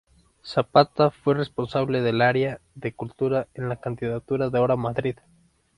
Zapata fue responsable del área de cultura en la candidatura de Ahora Madrid.